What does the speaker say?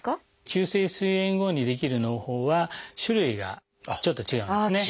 急性すい炎後に出来るのう胞は種類がちょっと違うんですね。